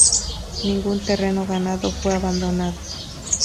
Ningún terreno ganado fue abandonado.